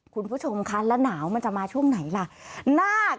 คุณผู้ชมคะแล้วหนาวมันจะมาช่วงไหนล่ะ